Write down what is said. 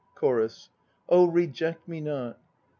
CHORUS. "Oh, reject me not!